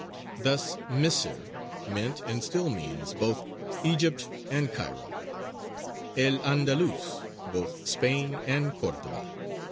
Thus Misr meant and still means both Egypt and Cairo; El Andalus, both Spain and Cordova.